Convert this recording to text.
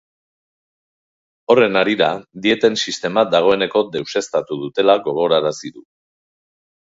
Horren harira, dieten sistema dagoeneko deuseztatu dutela gogorarazi du.